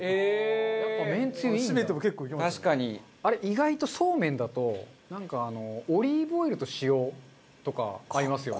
あれ意外とそうめんだとなんかあのオリーブオイルと塩とか合いますよね。